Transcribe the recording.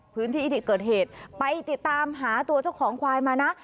พื้นที่ที่เกิดเหตุไปติดตามหาตัวเจ้าของควายมานะ